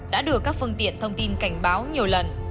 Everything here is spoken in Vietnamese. đã đưa các phương tiện thông tin cảnh báo nhiều lần